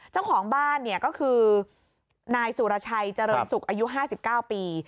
เจ้าของบ้านเนี่ยก็คือนายสุรชัยเจริญศุกร์อายุ๕๙ปี